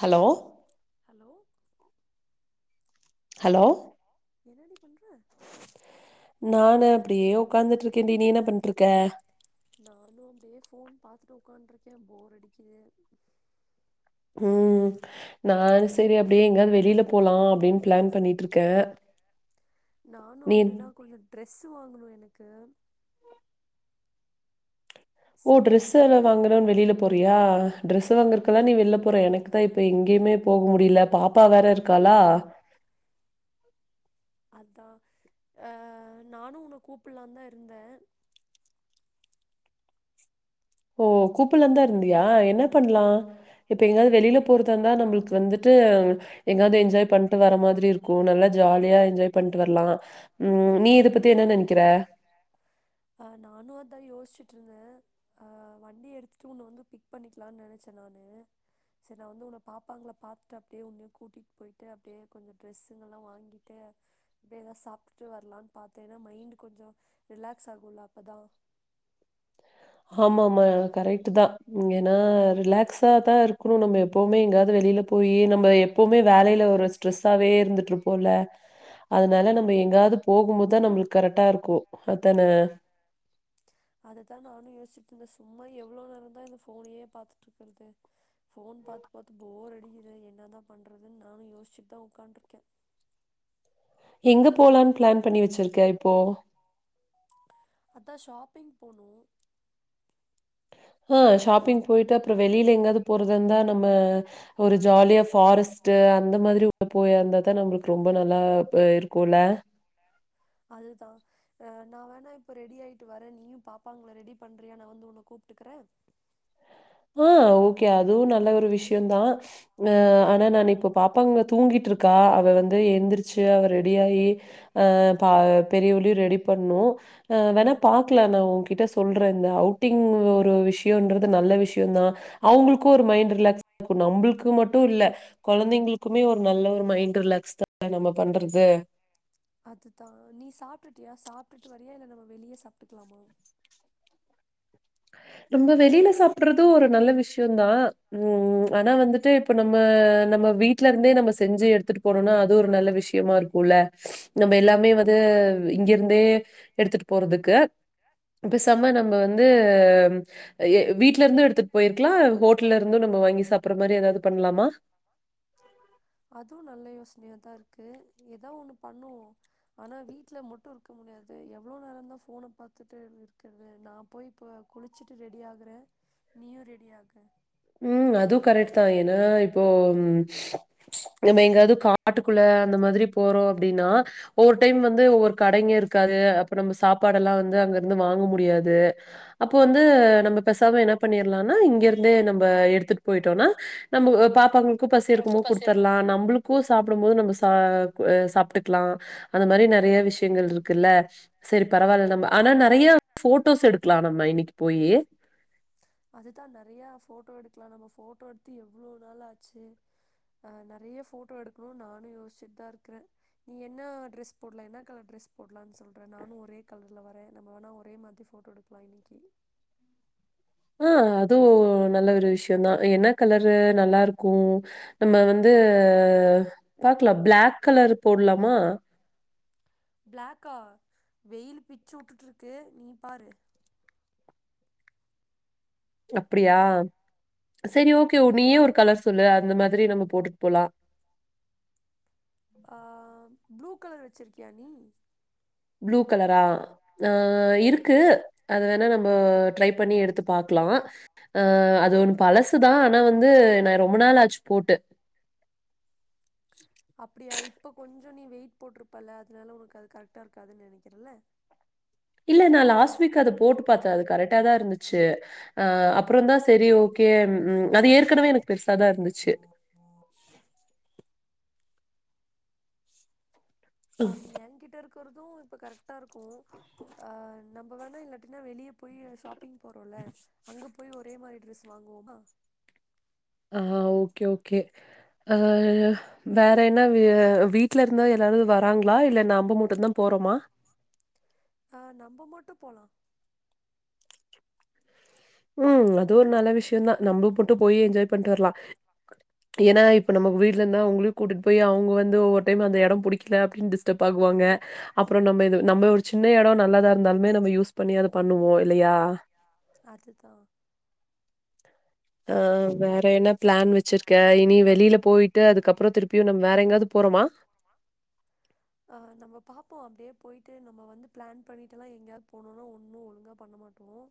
Hello hello hello என்னடி பண்ற நானே அப்டியே உட்காந்துட்டு இருகேன் நீ என்ன பண் ட்ருக்க நானு அப்டியே ஃபோன் பாத்துட்டு உக்காண்டருக்கே போர் அடிக்குது உம் நா செரி அப்டியே எங்காது வெளியில போலா அப்டின் பிளான் பண்ணிட்டு இருக்கே நானு அப்டிதா கொஞ்சோ ட்ரெஸ்ஸு வாங்கணு எனக் க ஓ ட்ரெஸ் அதா எல்லா வாங்கதான் வெளில போறியா ட்ரெஸு வாங்கறக்குலா நீ வெள்ல போற எனக்கு தா இப்ப எங்கேயுமே போ முடிய்ல பாப்பா வேற இருக்காளா அதா அஹ் நானு உன்ன கூப்பிட்லான் தா இருந்தே ஓ கூப்புட்லாந்தா இருந்தியா என்ன பண்லா இப்ப எங்காது வெளில போறதாருந்தா நம்பளுக்கு வந்துட்டு எங்காவ்து என்ஜாய் பண்ட்டு வர மாதிரி இருக்கு நல்லா ஜாலியா என்ஜாய் பண்ட்டு வர்லா உம் நீ இத பத்தி என்ன நெனைக்கிற ஆஹ் நானு அதா யோஸ்ச்ட்ருந்தே அஹ் வண்டி எடுத்துட்டு உன்ன வந்து பிக் பண்ணிக்லான் நெனச்சே நானு செரி நா வந்து உன்ன பாப்பாங்கள பாத்துட்டு அப்டியே உன்னயு கூட்டிட்டு போயிட்டு அப்டியே கொஞ்ச டிரெஸ்ஸுங்கள்லா வாங்கிட்டு அப்டியே எதா சாப்ட்டுட்டு வர்லான் பாத்தே ஏனா மைண்டு கொஞ்ச ரிலாக் ஸ்சாகுல அப்பதா ஆமா ஆமா கரெக்ட்டுதா ஏனா ரிலாக்ஸா தா இருக்கணு நம்ம எப்பவுமே எங்காவ்து வெளில போயி நம்ம எப்பவுமே வேலைல ஒரு ஸ்ட்ரெஸ்ஸாவே இருந்துட்ருப்போல அதனால நம்ம எங்காவ்து போகும்போதுதா நம்மளுக்கு கரெக்டா இருக்கு அதானே அதத்தா நானு யோஸ்ச்சிட்ருந்தே சும்மா எவ்ளோ நேரந்தா இந்த ஃபோனே பாத்துட்ருக்கிறது ஃபோன் பாத்து பாத்து போர் அடிக்குது என்னதா பண்றதுன் நானு யோசிச்சுட்டு தா ஒக்காந்திருக்கே எங்க போலான் பிளான் பண்ணி வச்சிருக்க இப்போ அதா ஷாப்பிங் போனு ஆஹ் ஷாப்பிங் போயிட்டு அப்ற வெளில எங்காவ்து போறதா இருந்தா நம்ம ஒரு ஜாலியா ஃபாரஸ்ட்டு அந்த மாதிரிலா போக இருந்தாதா நம்பளுக்கு ரொம்ப நல்லா இருக்குல அதுதா அஹ் நா வேணா இப்ப ரெடி ஆயிட்டு வரே நீயு பாப்பாங்கள ரெடி பண்றியா நா வந்து உன்ன கூப்ட்டுக்குறே ஆஹ் ஓகே அதுவு நல்ல ஒரு விஷ்யந்தா அஹ் ஆனா நானு இப்ப பாப்பாங்க தூங்கிட்ருக்கா அவ வந்து எந்திரிச்சு அவ ரெடியாயி அஹ் மாவு பெரியவளயு ரெடி பண்ணு அஹ் வேணா பாக்லா நா ஓக்கிட்ட சொல்றே இந்த அவுட்டிங் ஒரு விஷ்யம்ன்றது நல்ல விஷ் யந்தா அவ்ங்களுக்கு ஒரு மைண்ட் ரிலாக்ஸ் இரு நம்பளுக்கு மட்டு இல்ல கொழந்தைங்களுக்குமே ஒரு நல்ல ஒரு மைண்ட் ரிலாக்ஸ் தானே நம்ம பண்ணுறது அதுதா நீ சாப்ட்டுட்டியா சாப்ட்டுட்டு வரியா இல்ல நம்ம வெளிய சாப்ட்டுக்லாமா நம்ம வெளில சாப்ட்றது ஒரு நல்ல விஷ்யந் தா உம் உம் ஆனா வந்துட்டு இப்ப நம்ம நம்ம வீட்லருந்தே நம்ம செஞ்சு எடுத்துட்டு போனோனா அது ஒரு நல்ல விஷ்யமா இருக்குல்ல நம்ம எல்லாமே வந்து இங்கெருந்தே எடுத்துட்டு போறதுக்கு பெசாம நம்ம வந்து உம் அய வீட்லருந்து எடுத்துட்டு போயிருக்லா ஹோட்டல்ல இருந்து நம்ம வாங்கி சாப்புட்ற மாரி எதாவ்து பண்லாமா அதுவு நல்ல யோசனையாதா இருக்கு எதா ஒன்னு பண்ணுவோ ஆனா வீட்ல மட்டு இருக்க முடியாது எவ்ளோ நேரந்தா ஃபோன பாத்துட்டே இருக்கிறது நா போய் இப்ப குளிச்சுட்டு ரெடி ஆகுறே நீயு ரெடி ஆகு உம் அதுவு கரெக்ட் தா ஏனா இப்போ உம் நம்ம எங்காவ்து காட்டுக்குள்ள அந்த மாதிரி போறோ அப்டினா ஒவ்வொரு டைம் வந்து ஒவ்வொரு கடைங்க இருக்காது அப்ப நம்ம சாப்பாடெல்லா வந்து அங்க இருந்து வாங்க முடியாது அப்போ வந்து நம்ம பெசாம என்ன பண்ணிற்லானா இங்க இருந்தே நம் ப எடுத்துட்டு போயிட்டோனா நம்மளுடய பாப்பாங்கள் க்கு பசி எடுக்குமோது குடுத்துற்லா நம்பளுக் கு சாப்டும் போது நம்ம சா அஹ் சாப்ட்டுக்லா அந்த மாரி நெறைய விஷ்யங்கள் இருக்குல்ல செரி பரவால்ல நம்ம ஆனா நெறையா போட்டோஸ் எடுக்லா நம்ம இன்னைக்கு போயி அதுதான் நறைய போட்டோ எடுக்கலாம் நம்ம போட்டோ எடுத்து எவ்ளோ நாள் ஆச்சு ஆஹ் நெறைய போட்டோ எடுக்கணும்னு நானும் யோசிச்சுட்டுதான் இருக்கிறேன் நீ என்ன ட்ரெஸ் போடலாம் என்ன கலர் ட்ரெஸ் போடலான்னு சொல்றேன் நானும் ஒரே கலர்ல வரேன் நம்ம வேணா ஒரே மாதிரி போட்டோ எடுக்கலாம் இன்னைக்கு ஆஹ் அதுவும் நல்ல ஒரு விஷயம்தான் என்ன கலரு நல்லா இருக்கும் நம்ம வந்து பாக்கலாம் பிளாக் கலர் போடலாமா பிளக்கா வெயில் பிச்சு விட்டுட்டு இருக்கு நீ பாரு அப்படியா செரி ஓகே நீயே ஒரு கலர் சொல்லு அந்த மாதிரி நம்ம போட்டுட்டு போலாம் ஆஹ் ப்ளூ கலர் வெச்சிருக்கியா நீ ப்ளூ கலரா ஆஹ் இருக்கு அத வேணா நம்ம ட்ரை பண்ணி எடுத்து பாக்கலாம் அஹ் அது ஒண்ணு பழசுதான் ஆனா வந்து நான் ரொம்ப நாளாச்சு போட்டு அப்படியா இப்ப கொஞ்சம் நீ வெயிட் போட்டிருப்பல்ல அதனால உனக்கு அது கரெக்ட்டா இருக்காதுன்னு நெனைக்கிறல இல்ல நான் லாஸ்ட் வீக் அத போட்டு பாத்தேன் அது கரெக்ட்டா தான் இருந்துச்சு அஹ் அப்புறம் தான் செரி ஓகே உ அது ஏற்கனவே எனக்கு பெருசாதான் இருந்துச்சு உம் இருக்றதும் இப்போ கரெக்ட் கரெக்டாருக்கும் அஹ் நம்ம வேணா இல்லாட்டின்னா வெளியே போய் சாப் போறோம்ல அங்க போய் ஒரே மாதிரி ட்ரெஸ் வாங்குவோமா ஆஹ் ஓகே ஓகே அஹ் வேற என்ன வீட்ல இருந்தா எல்லாரும் வராங்களா இல்ல நம்ப மட்டும் தான் போறோமா அஹ் நம்ப மட்டும் போலாம் உம் அதுவும் ஒரு நல்ல விஷயம் தான் நம்ம போட்டு போய் என்ஜாய் பண்ணிட்டு வரலாம் ஏன்னா இப்ப நமக்கு வீட்லருந்தா அவங்களையும் கூட்டிட்டு போய் அவங்க வந்து ஒவ்வொரு டைம் அந்த எடம் பிடிக்கல அப்படின்னு டிஸ்டர்ப் பொலம்புவாங்க அப்றம் நம்ம நம்ம ஒரு சின்ன இடம் நல்லதா இருந்தாலுமே நம்ம யூஸ் பண்ணி அதை பண்ணுவோ இல்லையா அதுதா ஆஹ் வேற என்ன பிளான் வச்சிருக்கே இனி வெளியில போயிட்டு அதுக்கப்றம் திருப்பியு நம்ம வேற எங்காவது போறோமா நம்ம பாப்போம் அப்டியே போயிட்டு நம்ம வந்து பிளான் பண்ணிட்டுல்லாம் எங்கேயாவது போனுனா ஒன்னு ஒழுங்கா பண்ண மாட்டோம்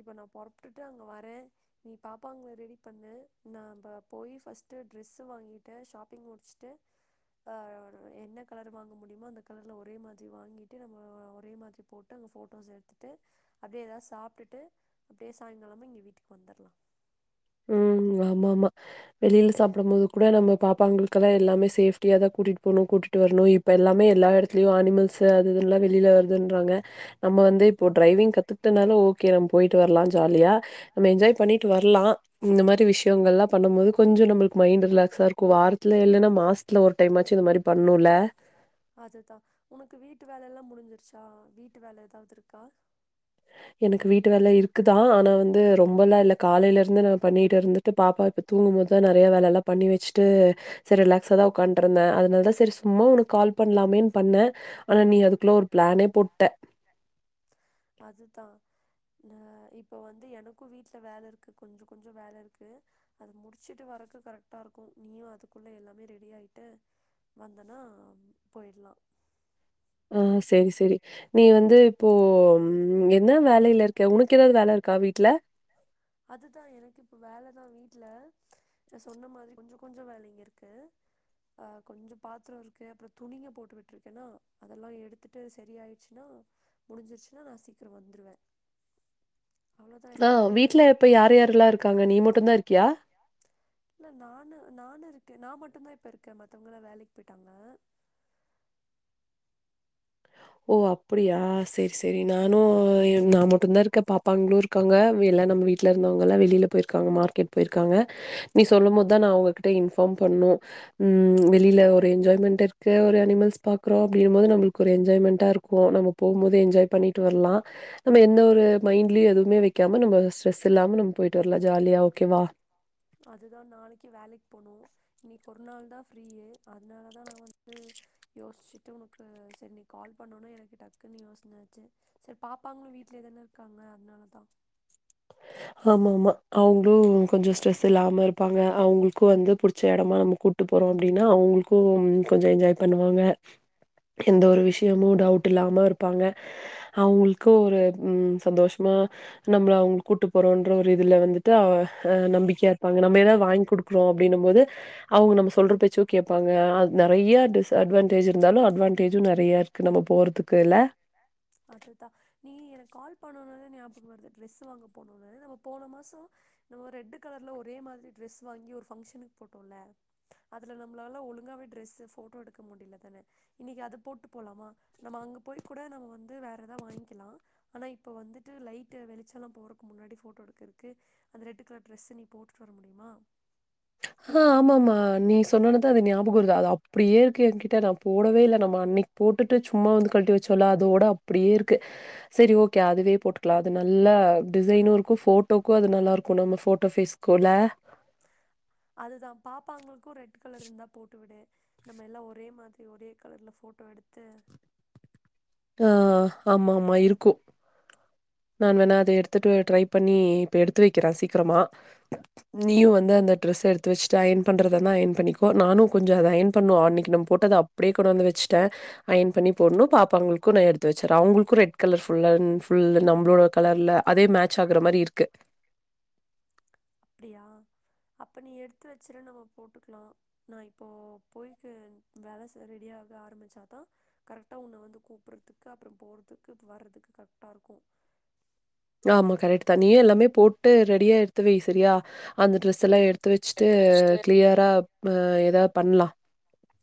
இப்போ நான் பொறப்டுட்டு அங்க வரேன் நீ பாப்பாங்கள ரெடி பண்ணு நான் நம்ப போய் ஃபர்ஸ்ட் ட்ரெஸ்ஸு வாங்கிட்டு ஷாப்பிங் முடிச்சுட்டு அ என்ன கலர் வாங்க முடியுமா அந்த கலர்ல ஒரே மாதிரி வாங்கிட்டு நம்ம ஒரே மாதிரி போட்டு அங்கே போட்டோஸ் எடுத்துட்டு அப்டியே ஏதாவது சாப்டுட்டு அப்டியே சாயங்காலமாக இங்க வீட்டுக்கு வந்துடலாம் உஹம் ஆமா ஆமா வெளியில சாப்ட போது கூட நம்ம பாப்பாங்களுக்கெல்லாம் எல்லாமே சேப்டியாதான் கூட்டிட்டு போணு கூட்டிட்டு வரணு இப்ப எல்லாமே எல்லா இடத்துலயும் அனிமல்ஸ் அது எல்லாம் வெளியில வருதுன்றாங்க நம்ம வந்து இப்போ டிரைவிங் கத்துட்டனாலும் ஓகே நம்ம போயிட்டு வரலாம் ஜாலியா நம்ம என்ஜாய் பண்ணிட்டு வரலாம் இந்த மாதிரி விஷயங்கள்லாம் பண்ணு போது கொஞ்சம் நம்மளுக்கு மைண்ட் ரிலாக்ஸா இருக்கும் வாரத்துல இல்லைன்னா மாசத்துல ஒரு டைமாச்சும் இந்த மாதிரி பண்ணும்ல அதுதான் உனக்கு வீட்டு வேல எல்லாம் முடிஞ்சிருச்சா வீட்டு வேலை ஏதாவது இருக்கா எனக்கு வீட்டு வேலை இருக்குதான் ஆனா வந்து ரொம்பலாம் இல்ல காலையில இருந்து நான் பண்ணிட்டு இருந்துட்டு பாப்பா இப்ப தூங்கும் போதுதான் நிறைய வேலை எல்லாம் பண்ணி வச்சுட்டு சரி ரிலாக்ஸ் தான் உட்காண்ட் இருந்தேன் அதனாலதான் சரி சும்மா உனக்கு கால் பண்ணலாமேன்னு பண்ணேன் ஆனா நீ அதுக்குள்ள ஒரு பிளானே போட்ட அதுதான் அஹ் இப்ப வந்து எனக்கும் வீட்டுல வேலை இருக்கு கொஞ்சம் கொஞ்சம் வேலை இருக்கு அத முடிச்சுட்டு வரதுக்கு கரெக்டா இருக்கும் நீயும் அதுக்குள்ள எல்லாமே ரெடி ஆயிட்டு வந்தனா போயிடலாம் ஆஹ் சரி சரி நீ வந்து இப்போ என்ன வேலையில இருக்க உனக்கு ஏதாவது வேலை இருக்கா வீட்டு்ல அதுதான் எனக்கு இப்ப வேலைதான் வீட்டுல நான் சொன்ன மாதிரி கொஞ்ச கொஞ்ச வேலைங்க இருக்கு ஆஹ் கொஞ்சம் பாத்திரம் இருக்கு அப்றம் துணிங்க போட்டு விட்ருக்கேன்னா அதெல்லாம் எடுத்துட்டு சரி ஆயிடுச்சுன்னா முடிஞ்சிருச்சுன்னா நான் சீக்கிரம் வந்துருவேன் அவ்வளோதான் ஆ எனக்கு இன்னொரு வீட்ல யார் யாரெல்லாம் இருக்காங்க நீ மட்டும்்தான் இருக்கியா இல்ல நானு நானு இருக்கேன் நான் மட்டுதான் இப்ப இருக்கேன் மத்தவங்களா வேலைக்கு போயிட்டாங்க ஓ அப்படியா சரி சரி நானும் நான் மட்டும்தான் இருக்க பாப்பாங்களும் இருக்காங்க எல்லாம் நம்ம வீட்டுல இருந்தவங்க எல்லாம் வெளியில போயிருக்காங்க மார்க்கெட் போயிருக்காங்க நீ சொல்லும் போதுதான் நான் அவ்ங்ககிட்ட இன்ஃபார்ம் பண்ணும் உம் வெளியில ஒரு என்ஜாய்மெண்ட் இருக்கு ஒரு அனிமல்ஸ் பாக்குறோம் அப்டினும் போது நம்மளுக்கு ஒரு என்ஜாய்மெண்டா இருக்கும் நம்ம போகும் போது என்ஜாய் பண்ணிட்டு வரலாம் நம்ம எந்த ஒரு மைண்ட்லயும் எதுவுமே வைக்காம நம்ம ஸ்ட்ரெஸ் இல்லாம நம்ம போயிட்டு வரலாம் ஜாலியா ஓகேவா அதுதான் நாளைக்கு வேலைக்கு போணும் இன்னைக்கு ஒரு நாள் தான் ஃப்ரீயே அதனால தான் நான் வந்து யோசிச்சுட்டு உனக்கு சரி நீ கால் பண்ணோன எனக்கு டக்குன்னு யோசன ஆச்சு சரி பாப்பாங்களு வீட்லயே தான இருக்காங்க அதனாலதான் ஆமா ஆ அவங்களும் கொஞ்சம் ஸ்ட்ரெஸ் இல்லாம இருப்பாங்க அவங்களுக்கும் வந்து புடிச்ச இடமா நம்ம கூட்டு போறோம் அப்படின்னா அவங்களுக்கும் கொஞ்சம் என்ஜாய் பண்ணுவாங்க எந்த ஒரு விஷயமும் டவுட் இல்லாம இருப்பாங்க அவங்களுக்கும் ஒரு உம் சந்தோஷமா நம்மள அவங்க கூட்டுப்போறோன்ற ஒரு இதுல வந்துட்டு அவ் அ நம்பிக்கையாருப்பாங்க. நம்ம ஏதாவது வாங்கி குடுக்குறோம் அப்படின்னும்போது அவ்ங்க நம்ம சொல்ற பேச்சும் கேப்பாங்க அது நிறையா டிஸ்அட்வான்டேஜ் இருந்தாலும் அட்வான்டேஜும் நிறையா இருக்கு நம்ம போறதுக்குல்ல. அதுதான் நீ எனக் கால் பண்ணனது ஞாபகம் வருது ட்ரெஸ் வாங்க போனும்ன நம்ம போன மாசம் நம்ம ரெட்டு் கலர்ல ஒரே மாதிரி ட்ரெஸ் வாங்கி ஒரு பங்க்ஷனுக்கு போட்டோம்ல அதுல நம்மளால ஒழுங்காவே டிரஷு போட்டோ எடுக்க முடியலதானே. இனைக்கு அது போட்டு போலாமா நம்ம அங்க போய் கூட நம்ம வந்து வேற ஏதாவ வாங்கிக்கலாம் ஆனா இப்ப வந்துட்டு லைட்டு வெளிச்செல்லாம் போறக்கு முன்னாடி போட்டோ எடுக்கிறதுக்கு அந்த ரெட்டு கலர் ட்ரெஸ்ஸ நீ போட்டுட்டு வர முடியுமா ஆஹ் ஆமாமா நீ சொன்னோனதா அது ஞாபகம் வருது அது அப்படியேருக்கு என்கிட்ட நான் போடவே இல்ல நம்ம அன்னைக்கு போட்டுட்டு சும்மா வந்து கழட்டி வச்சோல்ல அதோட அப்படியே இருக்கு. சரி ஓகே அதுவே போட்டுக்கலாம் அது நல்ல டிசைனும் இருக்கும் போட்டோக்கும் அது நல்லா இருக்கும் நம்ம போட்டோ பேஸ்குள்ள அதுதான் பாப்பாங்களுக் க்கும் ரெட் கலர் இருந்தா போட்டுவிடு நம்ம எல்லா ஒரே மாதிரி ஒரே கலர்ல போட்டோ எடுத்து ஆஹ் ஆமா ஆமா இருக்கும் நான் வேணா அதை எடுத்துட்டு ட்ரை பண்ணி இப்ப எடுத்து வைக்கிறேன் சீக்கிரமா நீயும் வந்து அந்த டிரெஸ்ஸ எடுத்து வச்சுட்டு அயன் பண்றதன்னா அயன் பண்ணிக்கோ நானும் கொஞ்ச அதை அயன் பண்னோம் அன்னைக்கு நம போட்டு அதை அப்படியே கொண்டாந்து வச்சுட்டேன். அயன் பண்ணி போடணும். பாப் அவங்களுக்கும் நான் எடுத்து வச்சிரேன் அவங்கள்க்கும் ரெட் கலர் புல் லன் புல் ல நம் கலர்ல அதே மேச்சாகுற மாரி இருக்கு அப்டியா அப்ப நீ எடுத்து வச்சுரு நம்ம போட்டுக்கலாம். நான் இப்போ போய்ட்டு வேலைசெய்ர ரெடியாக ஆரம்பிச்சாதான் கரெக்டா உன்னை வந்து கூப்பறதுக்கு அப்புறம் போறதுக்கு [unintelligible] போறதுக்கு வார்றதுக்கு கரெக்டா இருக்கும் ஆமா கரெக்ட்த்தான் நீயே எல்லாமே போட்டு ரெடியா எடுத்து வை சரியா அந்த டிரெஸ் எல்லாம் எடுத் எடுத்து வச்சுட்டு கிளியரா ஆம் வது பண்ணலாம்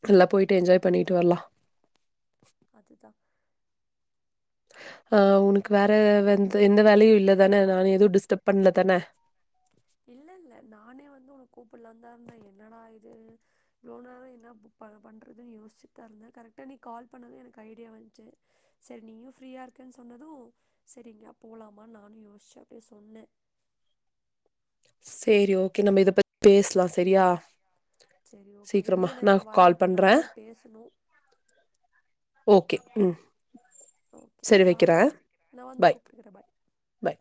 நல்லா போயிட்டு எஞ்ஜாய் பண்ணிட்டு வரலாம் அதுதான் ஆஹ் உனக்கு வேற வெந்த எந்த வேலையும் இல்லதானே நான் எதுவும் டிஸ்டர்ப் பண்ணலதானே இல்லல்ல நானே வந்து உன கூப்டலாந்தா இருந்தேன் என்னடா இ லோனாவே என்னப் பண்றதுன்னு யோசிச்சுட் தான் இருந்தேன் கரெக்டா நீ கால் பண்ணதும் எனக்கு ஐடியா வந்துச்சி சரி நீயும் ப்ரீயாயிருக்கன் சொன்னதும் சரி எங்கயாது போலாமான்னு நானும் யோசிச்சேன் அப்டியே சொன்னே சேரி ஓகே நம்ம இத பத் பேஸ்லா செரியா சேரி ஓகே வெளிய நா இப்ப வர அப்றோ பண்றேன் நெறைய பேசணு ஓகே ம் ஓகே சரி வைக்கிற பாய் நா வந்து பாய் கூப்பிட்டுக்கிறே பாய்